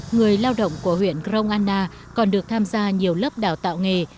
người lao động của huyện grong anna còn được tham gia nhiều lớp đào tạo nghề